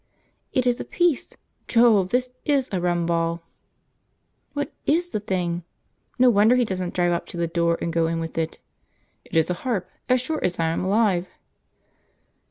"It is a piece! Jove, this IS a rum ball!" "What IS the thing? No wonder he doesn't drive up to the door and go in with it!" "It is a HARP, as sure as I am alive!"